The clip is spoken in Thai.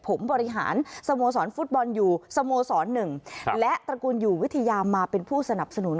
ผมบริหารสฟอยู่ส๑และตระกูลอยู่วิทยามาเป็นผู้สนับสนุน